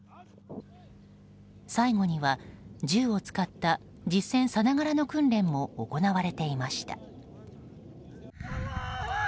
最後には、銃を使った実戦さながらの訓練も行われていました。